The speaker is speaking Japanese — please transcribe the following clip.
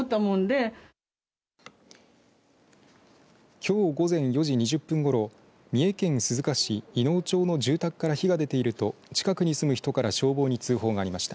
きょう午前４時２０分ごろ三重県鈴鹿市稲生町の住宅から火が出ていると近くに住む人から消防に通報がありました。